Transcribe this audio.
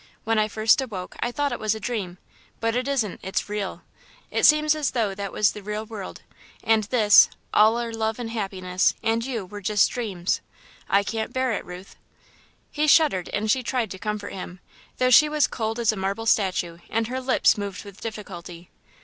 When I first awoke, I thought it was a dream, but it isn't, it's real. It seems as though that was the real world, and this all our love and happiness, and you, were just dreams. I can't bear it, Ruth!" He shuddered, and she tried to comfort him, though she was cold as a marble statue and her lips moved with difficulty.